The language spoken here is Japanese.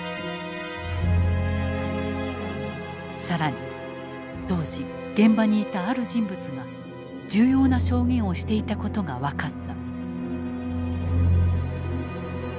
更に当時現場にいたある人物が重要な証言をしていた事が分かった。